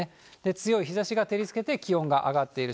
強い日ざしが照りつけて気温が上がっている。